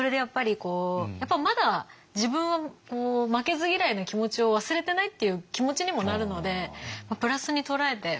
こうまだ自分も負けず嫌いな気持ちを忘れてないっていう気持ちにもなるのでプラスに捉えてましたね